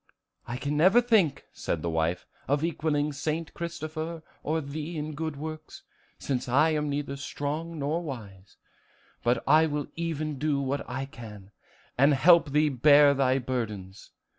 "I can never think," said the wife, "of equaling St. Christopher or thee in good works, since I am neither strong nor wise; but I will even do what I can, and help thee bear thy burdens.